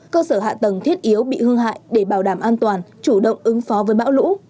cơ sở hạ tầng thiết yếu bị hư hại để bảo đảm an toàn chủ động ứng phó với bão lũ